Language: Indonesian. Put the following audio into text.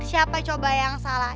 siapa coba yang salah